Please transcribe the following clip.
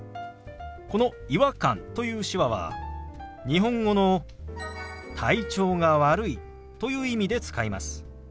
この「違和感」という手話は日本語の「体調が悪い」という意味で使います。